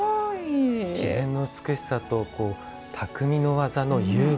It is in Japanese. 自然の美しさとたくみの技の融合。